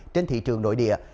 trên thị trường nội địa